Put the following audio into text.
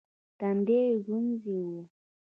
تندی يې ګونجې و.